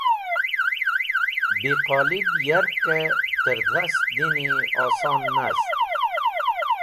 Bi qolib yarkẽ tẽrdhast dini oson nast.